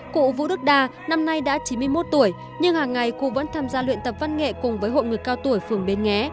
cụ vũ đức đa năm nay đã chín mươi một tuổi nhưng hàng ngày cô vẫn tham gia luyện tập văn nghệ cùng với hội người cao tuổi phường bến nghé